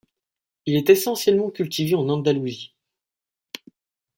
Il est essentiellement cultivé en Andalousie.